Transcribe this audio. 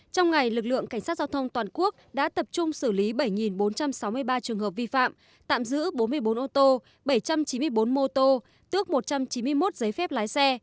trong ngày lực lượng cảnh sát giao thông toàn quốc đã tập trung xử lý bảy bốn trăm sáu mươi ba trường hợp vi phạm tạm giữ bốn mươi bốn ô tô bảy trăm chín mươi bốn mô tô tước một trăm chín mươi một giấy phép lái xe